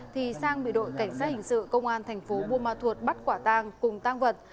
thì sang bị đội cảnh sát hình sự công an tp bumathuot bắt quả tang cùng tang vật